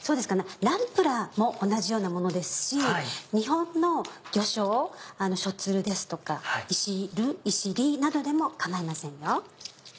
ナンプラーも同じようなものですし日本の魚醤しょっつるですとかいしるなどでも構いませんよ。